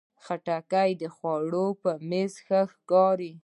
خټکی د خوراک په میز ښه ښکاري.